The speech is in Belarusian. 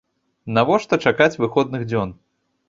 Навошта чакаць выходных дзён?